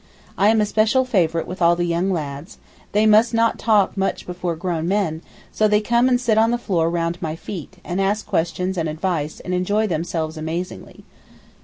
I am a special favourite with all the young lads; they must not talk much before grown men, so they come and sit on the floor round my feet, and ask questions and advice, and enjoy themselves amazingly.